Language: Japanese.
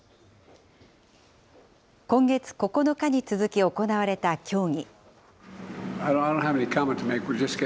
今月９日に続き行われた協議。